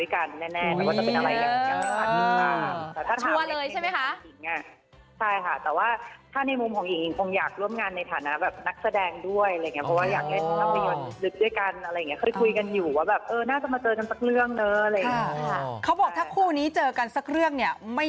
คือจริงก็ปีหน้าเราคงมีงานด้วยกันแน่มันก็จะเป็นอะไรอย่างนี้มาก